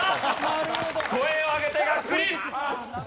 声を上げてがっくり！